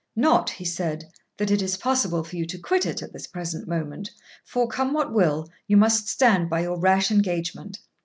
'Not,' he said, 'that it is possible for you to quit it at this present moment, for, come what will, you must stand by your rash engagement.